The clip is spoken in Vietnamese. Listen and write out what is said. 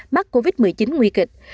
mắc covid một mươi chín nguy kịch